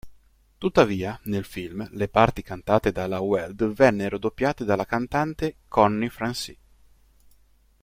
Tuttavia, nel film, le parti cantate della Weld vennero doppiate dalla cantante Connie Francis.